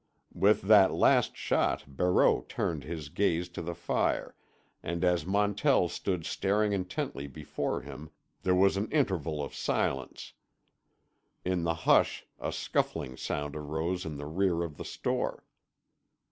With that last shot Barreau turned his gaze to the fire, and as Montell stood staring intently before him there was an interval of silence. In the hush a scuffling sound arose in the rear of the store.